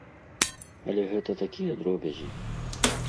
Але гэта такія дробязі.